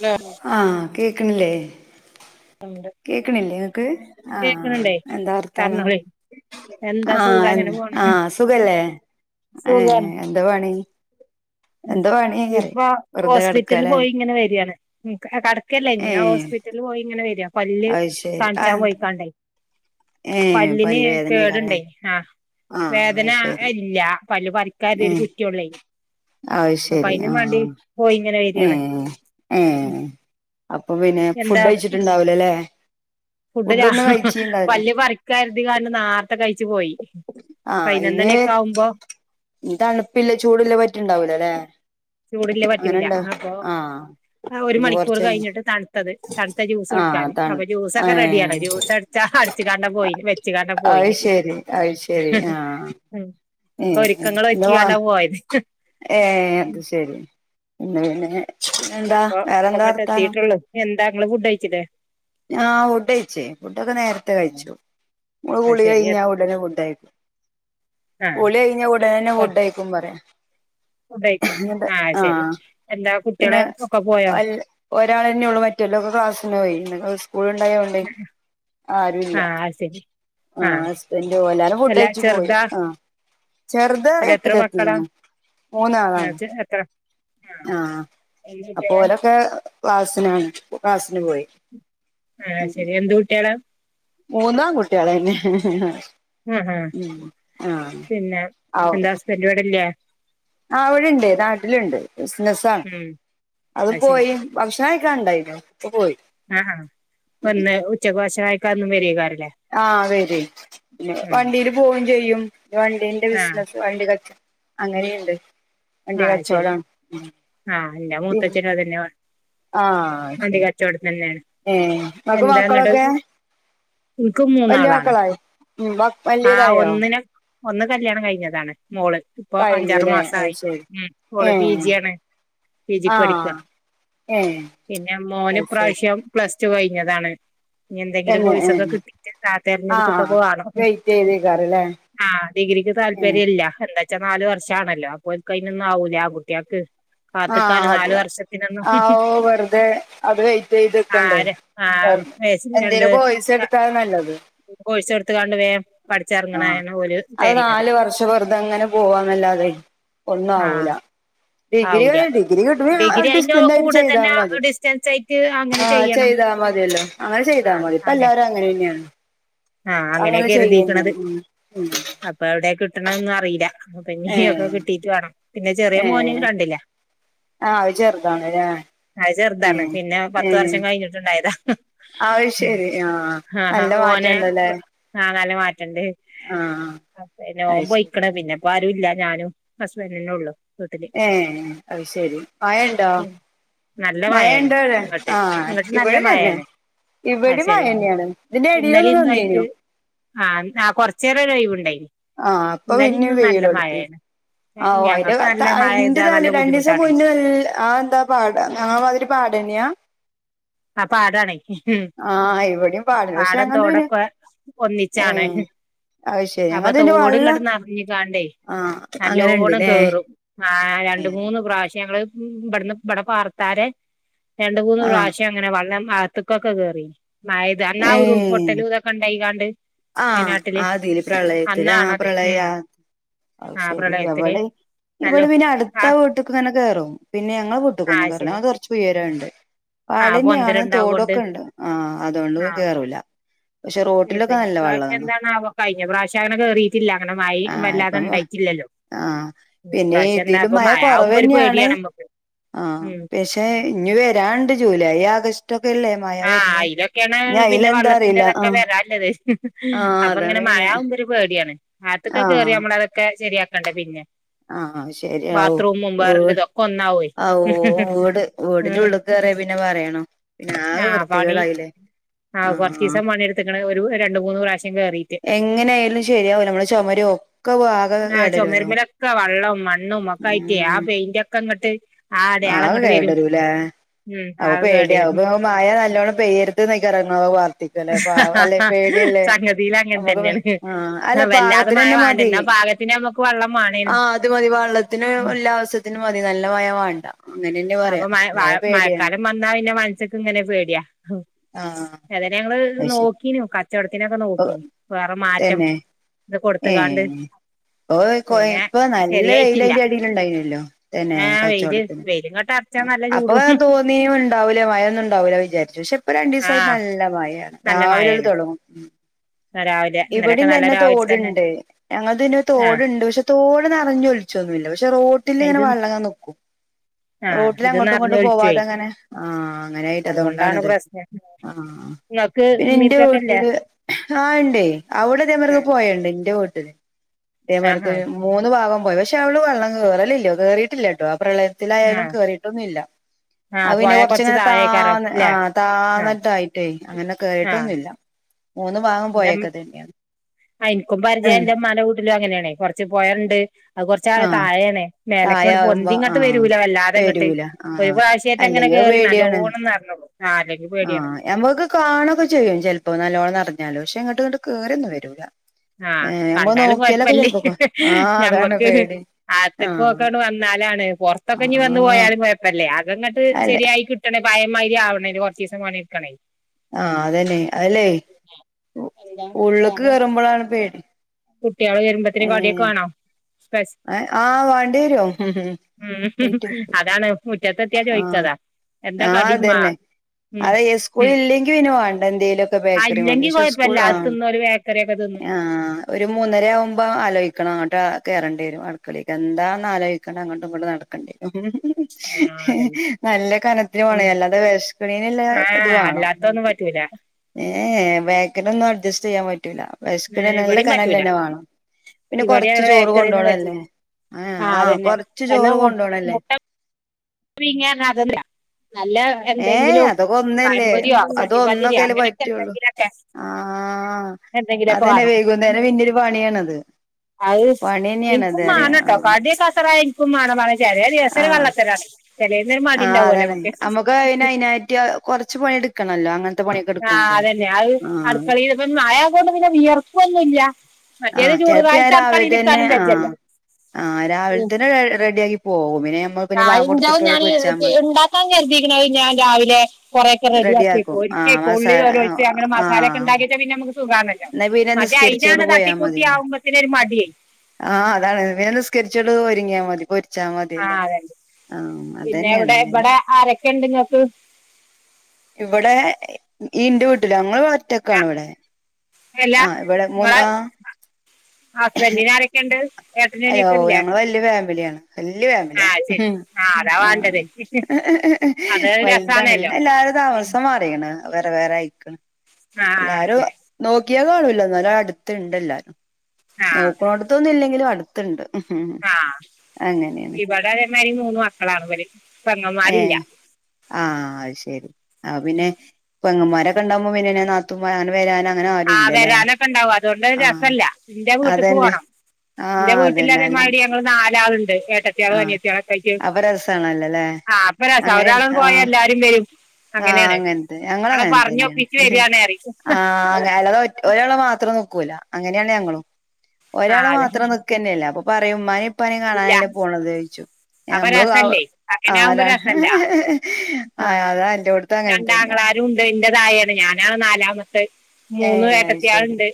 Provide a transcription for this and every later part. Hello ആഹ കേക്കണല്ലേ കേക്കണല്ലേ ആ കേക്കണണ്ടേ എന്താ വർഥാനം പറഞ്ഞോളി എന്താ ആഹ സുഖം എ അങ്ങനെ പോണ് ആഹ സുഖല്ലേ ഏ സുഖാണ് എന്താണ ഇപ്പൊ ഹോസ്പിറ്റല കിടക്കല്ലേ പോയി ഇങ്ങനെ വര കടക്കല്ല ഏ ഇഞൻ ഹോസ്പിറ്റലിൽ പോയി ഇങ്ങനെ വരിയാ പല്ല് അത് ശരി ആ കാണിച്ചാൻ പോയിക്കാണ്ടായി ഏ പല്ലിന് പല്ല് വേദനയൊക്കെ കേടുണ്ടേ ആഹ ആ അത് വേദന ശരി ഇല്ല പല് പ പറിക്കാരുത ഒരു കുറ്റിയള്ളന് അ ശരി ആഹ പോയി ഇങ്ങനെ ഉ വരിയാണ് ഏ അപ്പൊ പിന്നെ എന്താ ഫുഡ് അഴിച്ചിട്ടുണ്ടാവലോല്ലേ ഫുഡ് വല്ിയ പറിക്കരുതി ക നേർത്തെ കഴിച്ച പോയി പൈനന്ദനയൊക്കെ ആകുമ്പോ തണുപ്പുമില്ല ചൂടുമില്ലാതെ പറ്റുന്നുണ്ടാവില്ല അല്ലേ ചൂടില്ലേ പറ്റൂല്ല അപ്പോൾ ഒരു പിന്നെ മണിക്കൂർ കൊറച്ച് കഴിഞ്ഞ് കഴിഞ്ഞിട്ട് തണുത്തത് തണുത്ത ജ്യൂസ് ആ കുടിക്കാൻ തണ് അപ്പോൾ ജ്യൂസ് ഏ ഒക്കെ റെഡിയാണ് ജ്യൂസ് അടിച്ചാൽ അടിച്ചുകൊണ്ടും പോയി വെച്ചുകൊണ്ടും പോയി അത് ശരി അത് ശരി ആ ഒക്കെ ഒരുക്കങ്ങൾ ഒരുക്കി കൊണ്ടാണ് പോയത് ആ അത് ശരി പിന്നെ എന്താ അപ്പോൾ അപ്പോൾ വേറെന്താ ഇങ്ങോട്ട് വർത്താനം എത്തിയിട്ടേ ഉള്ളൂ നിങ്ങൾ എന്താണ് ഫുഡ് കഴിച്ചത് ആ ഫുഡ് കഴിച്ചു ഫുഡ് ഒക്കെ നേരത്തെ കഴിച്ചു നമ്മൾ അത് കുളി ശരി കഴിഞ്ഞാൽ ഉടനെ ഫുഡ് കഴിക്കും ആ കുളി കഴിഞ്ഞാൽ ഫുഡ് കഴിക്കും എന്ന് പറയാം ഫുഡ് കഴിച്ചു എ ആ ശരി ആഹ എന്താ കുട്ടികളെ പിന്നെ ഒക്കെ പോയോ അ [inaudible] ഒരാൾ തന്നെ ഉള്ളൂ മറ്റുള്ളവരൊക്കെ ക്ലാസിനു പോയി സ്കൂൾ ഉണ്ടായതുകൊണ്ട് ആ ആരുമില്ല അത് ശരി ആ ഹസ്ബന്റ് പോയി എല്ലാരും ഫുഡ് അല്ല കഴിച്ചിട്ട് പോയി ചെറുതാ ചെറുത് അല്ല എത്ര എട്ടിൽ മക്കളാ എത്തിയിരിക്കുന്നു മൂന്ന് ആ, ആളാണ് ചെ- എത്ര ആ എന്ത് അപ്പോൾ കുട്ടികളാ അവരൊക്കെ ക്ലാസ്സിൽ ആണ് ആ ശരി [unintelligible] എന്ത് കുട്ടികളാ മൂന്നും ആൺകുട്ടികൾ തന്നെ ആ ആ ഉ ആഹ പിന്നെ ആ എന്താ [unintelligible] ഹസ്ബൻഡ് ഇവിടെ ഇല്ലേ ആ ഇവിടെ ഉണ്ട് നാട്ടിലുണ്ട് ബിസിനസ് ആണ് ഉം അവര് അത് ശരി പോയി. ഭക്ഷണം ഉണ്ടായിരുന്നു ആ ഒന്ന് ഉച്ചക്ക് വശമായി കാന്ന് വരിയ കറ [unintelligible] ആ അതാണ് പിന്നെ വണ്ടിയിൽ പോകുകയും ചെയ്യും വണ്ടി ആ കച്ചവടം വണ്ടിയുടെ ബിസിനസ് അങ്ങനെയും ഉണ്ട് വണ്ടി ആ അത് ശരി കച്ചവടം ആ എന്റെ മൂത്തച്ഛനും അതന്നെ ആ അത് വണ്ടി ശരി കച്ചവടം തന്നെയാണ് നിങ്ങൾക്ക് എന്താന്നിട്ട് മക്കളൊക്കെ? എനിക്ക് വലിയ മൂന്നാളാണ് മക്കളായ? ഹും ആ വലിയതായോ ഒന്നിനെ ഒന്ന് കല്യാണം കഴിഞ്ഞതാണ്. മോള് ഇപ്പോൾ കഴിഞ്ഞുല്ലേ അത് അഞ്ചാറുമാസമായി ശരി അവൾ ഇപ്പോൾ ഏഹ് പിജിയാണ് പിജിക്ക് ആഹ് പഠിക്കുകയാണ് ഏഹ് പിന്നെ മോൻ ഈ അത് ശരി പ്രാവശ്യം പ്ലസ് ടു കഴിഞ്ഞതാണ് ഇനി എന്തെങ്കിലും തന്നെ കോഴ്സ് ഒക്കെ ഏഹ് കിട്ടിയിട്ട് എടുത്തിട്ട് ആഹ് വേണം വെയിറ്റ് ചെയ്തേക്കാറല്ലേ ആഹ ഡിഗ്രിക്ക് ഏഹ് താല്പര്യമില്ല എന്താണെന്ന് വെച്ചാൽ നാലുവർഷം ആണല്ലോ. അപ്പോ അവർക്ക് അതൊന്നും ആവുകയില്ല ആൺകുട്ടികൾക്ക് [unintelligible] ആ ഓ വെറുതെ അത് കഴിഞ്ഞിട്ട് ഇത് എടുക്കണ്ടേ ആര് ആ മേശിരി എന്തെങ്കിലും കോഴ്സ് എടുത്താൽ അതാണ് നല്ലത് ഒരു കോഴ്സ് എടുത്തു കൊണ്ട് വേഗം അത് നാലുവർഷം വെറുതെ അങ്ങനെ പോകുന്നു എന്നല്ലാണ്ട് ആഹ് ഒന്നുമാകില്ല ഡിഗ്രി ആവൂല കിട്ടുവാൻ ഡിഗ്രി ഡിഗ്രി അയിന്റെ ഡിസ്റ്റന്റ് ആയിട്ട് കൂടെ ചെയ്താൽ തന്നെ മതി. ഡിസ്റ്റൻസ് ആയിട്ട് അങ്ങനെ ആ ചെയ്യണം ചെയ്താ മതി അതെയല്ലോ അങ്ങനെ ചെയ്താൽ മതി ഇപ്പൊ എല്ലാവരും അങ്ങനെ തന്നെയാണ് ആ അങ്ങനെ അങ്ങനെയാണ് കരുതിയിരിക്കുന്നത് ചെയ്യന്നെയാണ് ഉം ഉം അപ്പോൾ എവിടെയാ കിട്ടും കിട്ടുന്നതെന്നൊന്നും അറിഞ്ഞില്ല ഏഹ് ഇനി കിട്ടിയിട്ട് വേണം, പിന്നെ ചെറിയ മോൻ രണ്ടിലാണ് ആഹ അത് ചെറുതാണ് അല്ലെ ചെറുതാണ് പിന്നെ പത്ത് വർഷം കഴിഞ്ഞിട്ടുണ്ടായതാ ആ ശരി ആ നല്ല [unintelligible] മാറ്റം ഉണ്ടല്ലേ അങ്ങനെ മാറ്റം ഉണ്ട് അത് ഓൻ ശരി പോയിരിക്കുന്നു പിന്നെ അല്ലാണ്ട് ആരുമില്ല ഞാനും ഹസ്ബൻഡും തന്നെയുള്ളൂ ആ അത് ശരി മഴയുണ്ടോ നല്ല മഴ മഴയാണ് ഉണ്ടോവിടെ ഇങ്ങോട്ട് ആ ഇങ്ങോട്ട് നല്ല ഇവിടെ തന്നെ. മഴയാണ് അത് ഇവിടെ ശരി മഴന്നെയാണ് ഇതിന്റെ എടേയില് ഒന്ന് വന്നേനു. ആ ആ കൊറച്ചേരാം ഒരൊഴിവുണ്ടായിരുന്നു. ആ അപ്പൊ പിന്നെ വെയിലോടെത്തി ആവോ ഞങ്ങൾക്ക് നല്ല മഴ അയിന്റകത്തായിൻ പെയ്താ നല്ല താണ് രണ്ടീസം ബുദ്ധിമുട്ടാണ് പോയീന്നു പറഞ്ഞു. ആ എന്താ പാടാ ആ മാതിരി പാടന്നെയാ? ആ പാടാണക്ക് ഉം ആഹ് ഇവിടെയും പാടന്നെ പാട പക്ഷെ ഞങ്ങൾത് പിന്നെ തോടൊക്ക ഒന്നിച്ചാണ് ഏഹ് അത് ശരി അപ്പൊ ഞങ്ങൾത് പിന്നെ തോടും വെള്ളം ഇങ്ങട്ട്ന്ന്റഞ്ഞിക്കാണ്ടേ ആഹ് നല്ലോണം അങ്ങനെണ്ട്ല്ലേ കേറും ആ രണ്ട് മൂന്ന് പ്രാവശ്യം ഞങ്ങള് ഉം ഇവിടെന്ന് ഇവിടെ പാർത്താര രണ്ട് മൂന്ന് ആഹ് പ്രാവശ്യം അങ്ങനെ വെള്ളം ആത്തക്കൊക്കെ കേറി മയത് അന്നാ ഉരുൾപൊട്ടല ഇതൊക്കെ ഉണ്ടായികാണ്ട് ആ വയനാട്ടില് ആതില് പ്രളയത്തില് ആ അന്നാണത് പ്രളയ ഉം ആ അത് ആ ശരി പ്രളയത്തില് എവിടെ? ഇവിടെ നല്ലോ പിന്നെ അടുത്ത ആ വീട്ടക്ക്ങ്ങന്നെ കയറും പിന്നെ ഞങ്ങളെ ആ വീട്ടക്കൊന്നും കേറില്ല ശരി അത് കുറച്ച് ഉയരണ്ട് ആ പാടന്നെയാണ് പൊന്തലുണ്ടാവോണ്ട് തോടൊക്കെ ഉണ്ട് ആ അതൊണ്ട് കേറൂല പക്ഷെ പ്പ റോട്ടിലൊക്കെ ഇനി ഈ നല്ല പ്രാവശ്യ വെള്ളാണ് എന്താണാവോ കഴിഞ്ഞ പ്രാവിശ്യങ്ങനെ കേറിട്ടില്ല അങ്ങനെ മയെം വല്ലാതെ ഉണ്ടായിട്ടില്ലല്ലോ ആ ഇനി പിന്നെ ഇപ്രാവശ്യം എന്താ ഇതില് ഇപ്പൊ മഴ ആവുമ്പോ ഒരു കുറവ്ന്നെയാണ് പേടിയാണ് നമ്മക്ക് ആ ഉം പക്ഷെ ഇനി വരാണ്ട് ജൂലൈ ആഗസ്റ്റ് ഒക്കെല്ലേ മഴ വരുന്നെ ന്നെ പിന്നെ വെള്ളത്തിന്റെതൊക്കെ വരാൻള്ളത് ആഹ് അപ്പൊ അതാണ് ഇങ്ങനെ പിന്നെ മഴാവുമ്പ ഒരു പേടിയാണ് ആത്തൊക്ക കേറിയ നമ്മളതൊക്കെ ശരിയാക്കണ്ടേ പിന്നെ. ആ ശരിയാവും ബാത്റൂമും ഓരു വേറെല്ലതൊക്കെ ഒന്നാവേ ഓ ഓട് ഓടിന്റുള്ളിൽ കേറിയ പിന്നെ പറയണോ പിന്നെ ആ ആകെ പണി വൃത്തികേടായില്ലേ ആ ആഹ് കൊറച്ചീസം പണിയെടുത്തീക്കണ ഒരു രണ്ട് മൂന്ന് പ്രാവശ്യം. കേറീട്ട് എങ്ങനെ ആയാലും ശരിയാവുല നമ്മള് ചുമര് ഒക്കെവാക ആഹ് കേടരുവല്ലോ. ചൊമര്മ്മലൊക്കെ വള്ളം മണ്ണും ഒക്കെ ആയിട്ട് ആ പെയിന്റക്കെ അങ്ങോട്ട് ആ അത് കേടരൂല്ലേ ഉം അപ്പ ആകെ പേടി കേടരും ആവുപ മയ നല്ലോണം പെയ്യരുതെന്നൊക്കയപറയന്നത് വർത്തിക്കുവല്ലേ അല്ലെ പ പേടിയല്ലേ സംഗതിയില് അങ്ങൻ നമുക്ക് തന്നേണ് ആ അല്ല വല്ലാതെ മഴ പാകത്തിനന്നെ വാണ്ട മതി ഇന്നാ പാകത്തിന് നമ്മക്ക് വെള്ളം ആ വാണേനും അത് മതി വെള്ളത്തിന് എല്ലാവശ്യത്തിനും മതി, നല്ല ഭയമാണ്. അപ്പൊ മഴ മഴക്കാലം മഴക്കാലം വന്നാ പിന്നെ മനുസ്സക്കിങ്ങനെ പേടിയാ ആഹ് ത് ഞങ്ങള് അത് ശരി നോക്കീനു കച്ചവടത്തിനൊക്കെ ഇപ്പൊ നോക്കീനു വേറെ മാറ്റം തന്നെ ഇത് കൊടുത്ത്ക്കാണ്ട് ഓയ്കൊയ് ഇപ്പ നല്ല വെയിലയിന്റടീലുണ്ടായിനല്ലോ തന്നെ ആഹ് വെയില് കച്ചോടത്തിന് വെയിലിങ്ങോട്ട് അറച്ചാ നല്ല അപ്പൊ ചൂടും തോന്നിയ ഉണ്ടാവൂല്ല മഴ ഒന്നും ഉണ്ടാവൂല്ല വിചാരിച്ചു പക്ഷെ ഇപ്പൊ രണ്ടീസായി ആഹ് നല്ല മഴ. യാ നല്ല രാവിലെങ്ങട് മഴയാണ് തൊടങ്ങും. രാവിലെ ഇന്നലൊക്കെ ഇവിടയും നല്ല രാവിലെ തന്നെ തോടുണ്ട് ഞങ്ങടെ പിന്നെ ആഹ് തോടുണ്ട് പക്ഷെ തോട് നിറഞ്ഞൊലിച്ചോന്നുമില്ല പക്ഷെ പക്ഷെ റോട്ടിലിങ്ങനെ ഇത് വെള്ളംങ്ങനെ നിക്കും ആഹ് റോട്ടിൽ ഇത് അങ്ങോട്ടും ഇങ്ങോട്ടും നറഞ്ഞൊലിച്ചുപോയി പോവാതങ്ങനെ ആ. അങ്ങനെയിട്ട് അതുകൊണ്ടാണ് അതുകൊണ്ടാണത് പ്രശ്നം ആ. നിങ്ങക്ക് ഇമ്മീം എന്റെ ഇപ്പിയൊക്കെ ഇല്ലേ വീട്ടില് ആ ഉണ്ടേ. അവിടെ ഇതേമാർക്ക് ആഹ് പോയണ്ട് എന്റെ വീട്ടില് ആഹ് ഇതേമാരിക്ക് ആഹ് മൂന്ന് ഭാഗം പോയി പക്ഷെ അവടെ വെള്ളം കേറലില്ല കേറിട്ടില്ലട്ടോ ആ പ്രളയത്തിലായാലും ആഹ് കേറീട്ടൊന്നു ഇല്ല അ ആഹ് പിന്നെ പോയ കൊറച്ച് കൊറച്ചിങ്ങനെ താഴേക്കാരം താന്ന് ആ ല്ലേ ആഹ് താന്നട്ടായിട്ടേ അങ്ങനെ കേറിട്ടൊന്നു ഇല്ല മൂന്ന് ഭാഗോ പോയേ ആ എനിക്കും പരിചയംന്റുമ്മാന്റെ വീട്ടിലും അങ്ങനെയാണെ കൊറച്ച് പോയലുണ്ട് അത് കുറച്ചങ്ങട് ആഹ് താഴെയാണേ മേലക്കങ്ങോട്ട് പൊന്തി തായാവുമ്പോ ഇങ്ങോട്ട് ആഹ് വരൂല വല്ലാതെ അങ്ങോട്ട് വരൂല ഒരു ആഹ് പ്രാവശ്യായിട്ട് അങ്ങനെ കേറി നല്ലോണം നറഞ്ഞോളും ആ യമ്മക്ക് കാണൊക്കെ ചെയ്യും ചെലപ്പോ നല്ലോണ്ണം നിറഞ്ഞാല് പക്ഷെ ഇങ്ങോട്ട് ഇങ്ങോട്ട് കേറിയൊന്നും വരൂല ആ ഏഹ് ഞമ്മള് കണ്ടാലും നോക്കിയാലൊക്കെ കൊയപ്പല്ലേ ചെലപ്പൊക്കെ ആഹ് അതാണ് ഞമ്മക്ക് പേടി ആത്തേക്കു ആഹ് ഒക്കെയങ്ങാട്ട് വന്ന ലാണ് പുറത്തൊക്കെ ഇഞ് വന്നു ആഹ് പോയാലും കൊഴപ്പല്ല്യാ അതങ്ങട്ട് അല്ലെ ശരിയായി കിട്ടണേ ഭയംമായിരി ആവണേനു കുറച്ചീസം കൊണ്ടിക്കണേ ആ അതന്നെ അതല്ലെ എന്താ ഉള്ളിക്ക് കേറുമ്പോളാണ് പേടി കുട്ടികള് വരുമ്പോത്തേന് കടിയൊക്കെ ഏഹ് വേണോ പെസ് ആഹ് വാണ്ടിയരും ഉം അതാണ് മുറ്റത്തെത്തിയാ ചോദിച്ചതാ എന്താ കടിമ്മ അതേ ഈ സ്കൂളില്ലെങ്കി പിന്ന വേണ്ട എന്തേലൊക്കെ ആഹ് ബേക്കറി മതി ഇല്ലെങ്കി പക്ഷെ സ്കൂൾ കൊഴപ്പല്ല ആ അത് തിന്നോല് ബേക്കറിയൊക്കെ തിന്നും ആ ഒരു മൂന്നര ആകുമ്പം ആലോയിക്കണം അങ്ങോട്ട് കേറേണ്ടന്ന് വരും ആടുക്കളേക്ക് എന്താണന്ന് ആലോചിക്കേണ്ട അങ്ങോട്ട് ഇങ്ങോട്ട് നടക്കണ്ടി [unintelligible] ആഹ് അതന്നെ നല്ല കനത്തിന് വേണം പിന്നെ അല്ലാതെ വഷ്കണീനല്ല ഇത് ആഹ് വേണം അല്ലാത്തൊന്നും പറ്റൂല ഏ വേക്കനൊന്നും അഡ്ജസ്റ്റ് ചെയ്യാൻ പറ്റൂല ബസ്കന് ഏഹ് നല്ല ഇവടിം കനൽ പറ്റൂല തന്നെ വേണം പിന്നെ ഇവടിം കൊറച്ച് അങ്ങനെ ചോറ് ബേക്കറിയൊന്നും പറ്റില്ല കൊണ്ടുപോണല്ലേ ആ ആഹ് ആ അതന്നെ കൊറച്ചു ചോറ് കൊണ്ട് പോണല്ലേ പ്രിങ്ങാന്ന് അതല്ല നല്ല ഏയ് എന്തെങ്കിലും അതൊക്കെ ഒന്നല്ലേ പഴംപൊരിയോ ചട്ടിപത്തിരിയോ അങ്ങനെയൊക്കെ എന്തെങ്കിലു ഓക്കെ ആ അതന്നെ വൈകുനേരം പിന്നെരു പണിയണത് ആ യെസ് എനിക്കും മനെട്ടോ ആഹ് കടിയ കസറായ ഇനിക്കും മാന പറ ചെറിയ ദിവസര് കള്ളത്തരണ് ആ അതാണ് നമ്മുക്ക് അയിന് അയിന്നായിട്ട് കൊറച്ച് പണി എടുക്കണല്ലോ അങ്ങനെ ആ അതന്നെ അത് അടുക്കള ഇപ്പം മഴ കൊണ്ട് പിന്നെ വിയർക്കൊനില്ല്യ മറ്റേത് ആഹ് ചൂട്കാലത്ത് അടുകളയിൽ ഇരിക്കാനും വെജല്ലോ ആ രാവിലെ തന്നെ റെഡ് റെഡിയി ജയിഞ്ഞാൾ ഞാന് മതി ഉണ്ടാക്കാൻ ഏല്പിക്കുന്നത് ഞാൻ രാവിലെ കുറെേ ഒക്കെ റെഡിയാക്കിയിപ്പോ റെഡിയാക്കും ആഹ് മസാല ഒരിക്കള്ളിരോഴ അങ്ങനെ മസാല ഒക്കെ ആഹ് ഉണ്ടാക്കിട്ട് പിന്നെ നമുക്ക് സുഖാണല്ലോ എന്നാ പിന്നെ മറ്റേ നിസ്കരിച്ചോട് അയിനാണ് തട്ടിക്കൂട്ടി ആവുമ്പത്തേന് ഒരു മടി ആ അതാണ് വേകാം നിസ്കരിച്ചിട്ട് ഒരുങ്ങിയാൽ മതി പൊരിച്ചാ ആ മതിയല്ലോ അതെ തന്നെ ആഹ് പിന്നെ അതന്നെയാണ് അവിടെ അങ്ങനെ ഇവിടെ ആരൊക്കെ ഉണ്ട് നിങ്ങക്ക് ഇവിടെ ഇ ഈന്റെ വീട്ടില് ഞങ്ങൾ ഒറ്റക്കാണ് ഇവിടെ അല്ല ആ ഇവിടെ മൂന്ന നിങ്ങളെ ഹസ്ബൻഡിന് ആരൊക്കെ ഉണ്ട് അയോ ഏട്ടനൊക്കെ ഇല്ലേ ഞങ്ങള് വലിയ ഫാമിലിയാണ് വല്യ ആ ഫാമിലിയാ ശരി അതാ ആ വേണ്ടത് അത് വലുതാണ് രസാണല്ലോ പിന്നെ എല്ലാരും ഉം. താമസം മാറിണ് വേറെ വേറെ ആയ്ക്ക്ണ് ആ ആ ശരി നോക്കിയാൽ കാണൂല്ല എന്നാലും അടുത്ത് ഉണ്ടല്ലാരും ആ നോക്കണോടത്തൊന്നും ഇല്ലെങ്കിലും അടുത്തുണ്ട് ഉം ആ ഇവിടെ അതേമാരി മൂന്ന് മക്കളാണ് അവര് പെങ്ങൻമാരില്ല ആ അത് ശെരി ആ പിന്നെ പെങ്ങന്മാരൊക്കെ ഉണ്ടാവുപോ പിന്നെ നാത്തുൻ മാര് ങ്ങനെവരാന ആ വരാനൊക്കെ ഇണ്ടാവും അതുകൊണ്ട് ആഹ് ഒരസല്ല എന്റെ വീട്ടക്ക് അതന്നെ പോണം എന്റെ ആഹ് വീട്ടില് അതന്നെ അതേമാതിരി അല്ലെങ്കിൽ ഞങ്ങള് നാലാളുണ്ട് ഏട്ടത്തികള് ആഹ് അനിയത്തികള് ഒകെയിട്ട് അപ്പൊ രസാണല്ലോല്ലേ ആ അപ്പം രസ അങ്ങനെ ഒരാള് പോയാ ആഹ് എല്ലാരും വരും ആഹ് അങ്ങനെയാണ് അങ്ങനത്തെ ഞങ്ങളും ഞങ്ങള് അങ്ങനെ തന്നെയാണ് പറഞ്ഞൊപ്പിച്ച് വരാണ് അറിം ഒരാളെ മാത്രം നിക്കൂല അങ്ങനെയാണ് ഞങ്ങളും ആ ഒരാളെ അതെ മാത്രം നിക്കന്നെല്ല പറയും ഉമ്മാനെ ഉപ്പാനെ ഇല്ല കാണാനല്ലേ പോണത് ചോയിച്ചു അപ്പൊ നമ്മള് ആ ഉ രസല്ലേ അങ്ങനെ ആവുമ്പോ ആരാ രസല്ല ആ അത എന്റെ ട്ത്തുംഅങ്ങനെ തന്നെയ ല്ലാരുംഉണ്ട് ഇൻ്റെതാഴാണ് ഞാനാണ് നാലാമത്തെ മൂന്ന് ഏഹ് അത് ശരി ഏട്ടത്തിയാള്ണ്ട്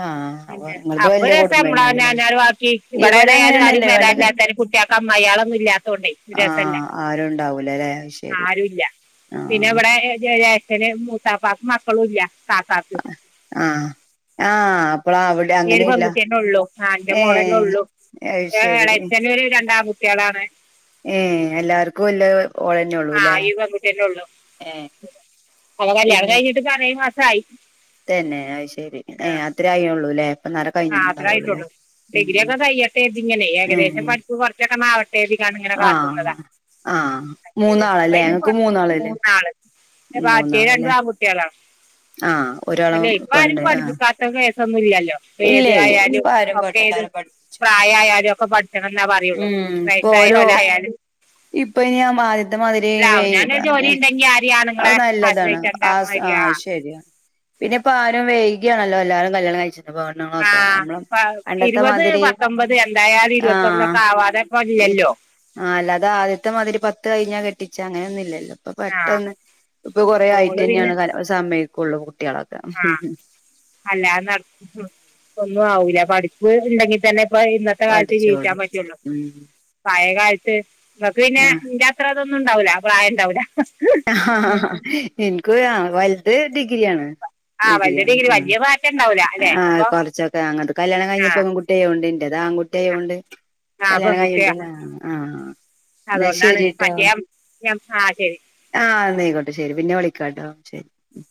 ആഹ് അപ്പൊ പിന്നെ നിങ്ങളത് അപ്പൊ വല്യ രസ കുടുംബം നമ്മള അവ നാ തന്നെയാണല്ലേ അവനാന്റെ ബാക്കി ഇവിടെ ഇവിടൊയാലും അങ്ങനെയൊന്നുല്ല ആരും ഇവിടെ വതല്ലാത്ത കുട്ടിയാക്ക് അമ്മാ യോളെന്നും ഇല്ലാത്തണ്ടേ ഒരു രസല്ല ആഹ് ആരും ഉണ്ടാവൂലല്ലേ അത് ശരി ആരു ല്ല പിന്നെ ആഹ് ഇവിടെ എ ജേ ജേഷ്ടന് മൂത്താപ്പാക്ക് മക്കളും ഇല്ല താത്താക്ക് ആ ആ ഈ ഒരു പെൺകുട്ടി തന്നെ ഉള്ളു ആ എന്റെ മോളന്നെ ഏഹ് ഉള്ളൂ അത് ഇളച്ചന് ഒരു രണ്ടാൺ കുട്ടോളാണ് ഏ എല്ലാർക്കും ല്ല ഓളന്നെ ആ ഉള്ളൂല്ലേ ഈ ഏ ഒളെകല്യാണം കഴിഞ്ഞിട്ട് ആറേഴ് മാസം ആയി തന്നെ അത് ശരി ഏ അത്ര ആ യൊള്ളൂല്ലേ ആ അത്ര ആയിട്ടുള്ളൂ ഡിഗ്രിയ ഒക്കെ കയ്യട്ടെ ഇതിങ്ങനെ ഏ ഏകദേശം പഠിപ്പ് കുറച്ചൊക്കെ ന്ന് ആവട്ടെ ര്തിക്കാണ്ട് ഇങ്ങനെ ആഹ് കാത്ത്ന്നതാ ആഹ് മൂന്നാളല്ലേ ഞങ്ങക്ക് മൂന്നാളല്ലേ മൂന്നാള് ന്നെ [unintelligible] റ്റേരണ്ടു മൂന്നാളല്ലേ ആകുട്ടിയാ ളാണ് ആഹ് ഒരാള് അല്ലെ ഇപ്പ ആരും പെണ്ണ് ആഹ് പഠിച്ചിക്കാത്ത കേസൊന്നുംല്ലല്ലോ ഏത് ഇല്ലേ ആയാലും ഇപ്പ ആരും പ ഒക്കെ ഏത് എല്ലാരും പഠിപ്പിച്ചു പ്രായയാലും ഒക്കെ പഠിച്ചണം എന്നാ പറയുള്ളൂ ഉം വയ സ്സായോല് ആ യാലും ഇപ്പ അയിൻ ആദ്യത്തെ മതിരി വേ അവനാനൊരു ജോലി ഉണ്ടെങ്കി ആരെയും അത് ആണുങ്ങളെ നല്ലതാണ് ആ ആശ്രയിച്ചണ്ടാന്ന് ആ വരിക ശരിയാണ് പിന്നെപ്പ ആരും വൈ കിആണല്ലോ എല്ലാരും കല്യാ ണ്ണം കഴിച്ച് ആഇരുപത് മാതിരി പത്തൊമ്പത് എന്തായാലും ഇരുപത്തൊന്നൊക്കെ ആവാതെ പ്പഞ്ഞ് ല്ലല്ലോ ആഅാതാദ്യത്തെമാതിരി പത്ത് കഴിഞ്ഞ കെട്ടിച്ച അങ്ങനെയൊന്നുമില്ലല്ലോ ഇപ്പൊ ആ പെട്ടെന്ന് ഇപ്പൊ കൊറേ ആയിട്ട് ഓള് പിന്നെ തന്നെയാണ് സമ്മയ്കൊള്ളു ആ അല്ലാതെ നട ഒന്നും ആവില്ല പഠിപ്പ് ഉണ്ടെങ്കിൽ തന്നെ ഇപ്പൊ ഇന്നത്തെ കാലത്ത് ജീവിക്കാൻ പഠിച്ചോളും പറ്റുള്ളൂ ഉം പഴയ കാലത്ത് ഇ ങ്ങക്ക് ആഹ് പിന്നെന്റെ ത്ര അതൊന്നും ഉണ്ടാവുല്ല പ്രായംണ്ടാവുല്ല ആ ഇൻക്ക് ആ വൽത് ഡിഗ്രിയാണ് ആ വൽത് ഡ്രിഗ്രി രി വല്ല മാറ്റണ്ടാ ആ കുറച്ചൊക്കെ ങ്ങത് കല്യാണം ആ കഴിഞ്ഞപ്പോ പെൺകുട്ടിയോ ണ്ട് ഇന്റെത്ആൺകുട്ടി ആയോ ഉണ്ട് കല്യാണം കഴ്ഞ്ഞിട്ടില്ല ആഹ് എന്നാ അതൊണ്ടാണ് ശരിട്ടോ മറ്റേ ആ ശരി ആ ഇന്നയ്കോട്ടെ ശരി പിന്നെ വിളിക്കാട്ടെ ശരി ഉ